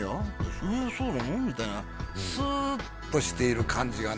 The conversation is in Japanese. そりゃそうだろみたいなスーッとしている感じがね